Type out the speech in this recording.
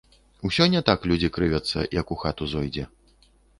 Усё не так людзі крывяцца, як у хату зойдзе.